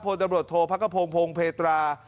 พลตำรวจโทพกภพงภงเพตรา